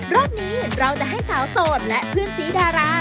รอบนี้เราจะให้สาวโสดและเพื่อนสีดารา